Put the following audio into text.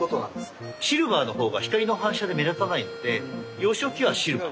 シルバーのほうが光の反射で目立たないので幼少期はシルバー。